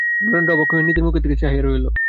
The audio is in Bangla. নরেন্দ্র অবাক হইয়া নিধির মুখের দিকে চাহিয়া রহিল।